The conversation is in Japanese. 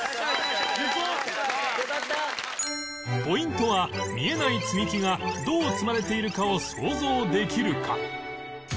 ポイントは見えない積み木がどう積まれているかを想像できるか